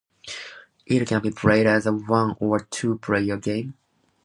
It can be played as a one or two player game.